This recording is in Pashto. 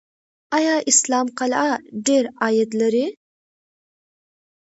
آیا اسلام قلعه ډیر عاید لري؟